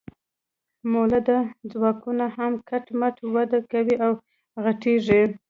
مؤلده ځواکونه هم کټ مټ وده کوي او غټیږي.